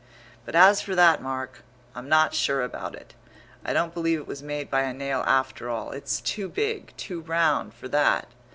But as for that mark, I'm not sure about it; I don't believe it was made by a nail after all; it's too big, too round, for that.